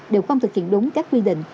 đều không thực hiện đúng các quy định